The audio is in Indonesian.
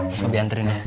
mas mau diantriin ya